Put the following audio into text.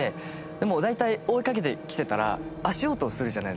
でも大体追いかけてきてたら足音するじゃないですか。